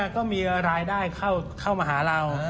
ก็มีรายได้เข้ามาหาเรา